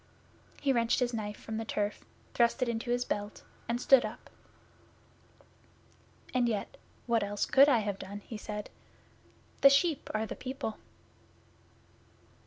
He wrenched his knife from the turf, thrust it into his belt and stood up. 'And yet, what else could I have done?' he said. 'The sheep are the people.